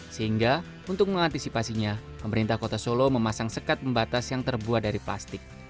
sehingga untuk mengantisipasinya pemerintah kota solo memasang sekat pembatas yang terbuat dari plastik